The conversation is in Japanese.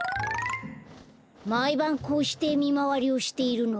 まいばんこうしてみまわりをしているの？